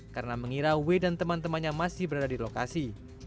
karena mengira w dan teman temannya masih berada di lokasi